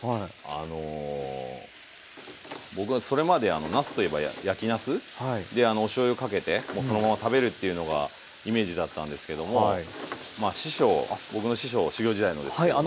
あの僕はそれまでなすといえば焼きなすでおしょうゆかけてもうそのまま食べるっていうのがイメージだったんですけども師匠僕の師匠修業時代のですけども。